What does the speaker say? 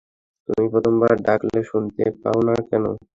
তুমি, প্রথমবার ডাকলে শোনতে পাও না কেন?